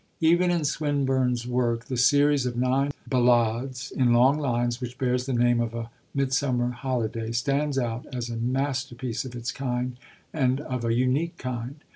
Even in Swinburne's work the series of nine ballades in long lines which bears the name of A Midsummer Holiday stands out as a masterpiece of its kind, and of a unique kind.